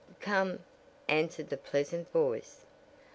"Come," answered the pleasant voice.